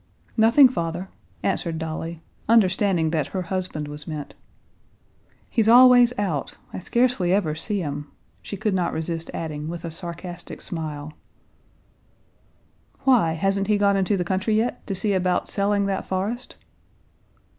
"Nothing, father," answered Dolly, understanding that her husband was meant. "He's always out; I scarcely ever see him," she could not resist adding with a sarcastic smile. "Why, hasn't he gone into the country yet—to see about selling that forest?"